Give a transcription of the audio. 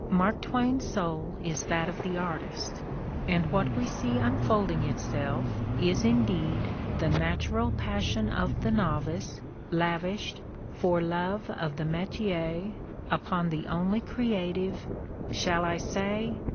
Mark Twain's soul is that of the artist, and what we see unfolding itself is indeed the natural passion of the novice lavished, for love of the metier, upon the only creative — shall I say?